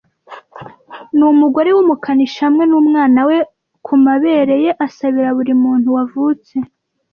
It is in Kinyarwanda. Numugore wumukanishi hamwe numwana we kumabere ye asabira buri muntu wavutse,